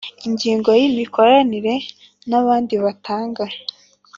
Ingingo ya imikoranire n abandi batanga